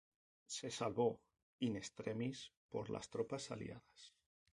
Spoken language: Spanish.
Se salvó "in extremis" por las tropas aliadas.